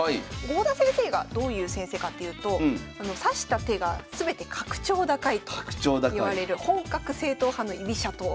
郷田先生がどういう先生かっていうと指した手が全て格調高いといわれる本格正統派の居飛車党。